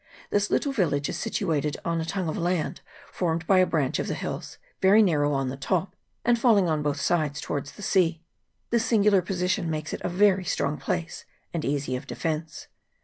This little village is situated on a tongue of land formed by a branch of the hills, very narrow on the top, and falling on both sides towards the sea. This singular position makes it a very strong place, and easy of defence.